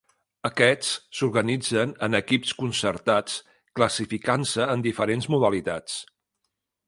Aquests s'organitzen en equips concertats classificant-se en diferents modalitats.